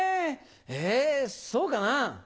えそうかな。